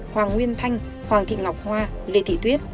hoàng nguyên thanh hoàng thị ngọc hoa lê thị tuyết